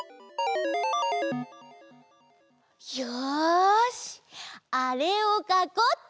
よしあれをかこうっと！